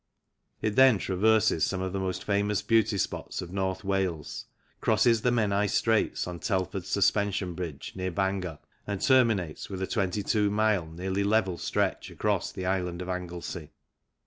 It then traverses some of the most famous beauty spots of North Wales, crosses the Menai Straits on Telford's suspension bridge, near Bangor, and terminates with a twenty two mile nearly level stretch across the island of Anglesey.